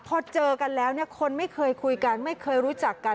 พอเจอกันแล้วเนี่ยคนไม่เคยคุยกันไม่เคยรู้จักกัน